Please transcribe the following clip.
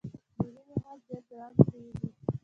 مالي لحاظ ډېر ګران پرېوزي.